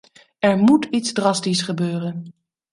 Er moet iets drastisch gebeuren.